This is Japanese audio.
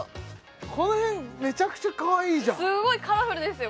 この辺めちゃくちゃかわいいじゃんすごいカラフルですよ